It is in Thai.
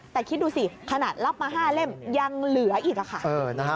แต่คิดดูสิขนาดรับมา๕เล่มยังเหลืออีกค่ะ